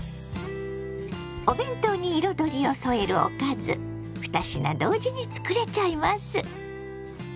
お弁当に彩りを添えるおかず二品同時に作れちゃいます。